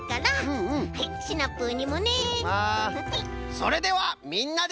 それではみんなで。